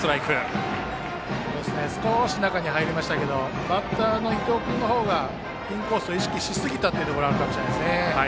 少し中に入りましたけどバッターの伊藤君の方がインコースを意識しすぎたところがあるかもしれません。